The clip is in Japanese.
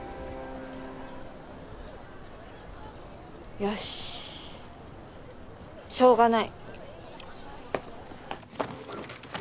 よししょうがない。